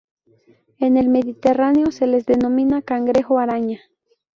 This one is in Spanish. En el Mediterráneo se les denomina cangrejo araña.